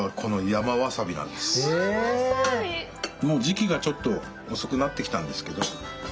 もう時期がちょっと遅くなってきたんですけど。